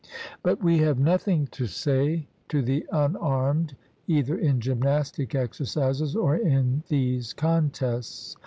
But we have nothing to say to the unarmed either in gymnastic exercises or in these contests.